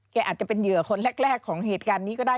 อาจจะเป็นเหยื่อคนแรกของเหตุการณ์นี้ก็ได้